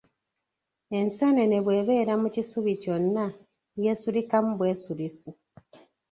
Enseenene bw’ebeera mu kisubi kyonna yeesulikamu bwesulisi.